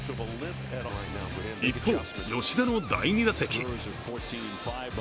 一方、吉田の第２打席。